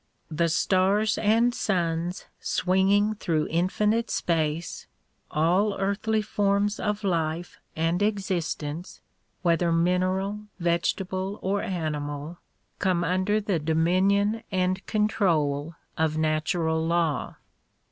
The stars and suns swinging through infinite space, all earthly forms of life and existence whether mineral, vegetable or animal come under the 48 THE PROMULGATION OF UNIVERSAL PEACE dominion and control of natural law.